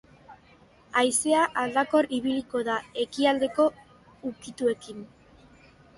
Haizea aldakor ibiliko da, ekialdeko ukituekin.